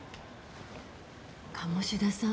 鴨志田さん。